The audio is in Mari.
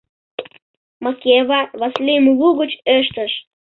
— Макева Васлийым лугыч ыштыш.